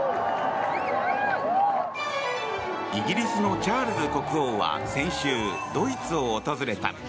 イギリスのチャールズ国王は先週、ドイツを訪れた。